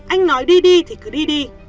anh nói đi đi thì cứ đi đi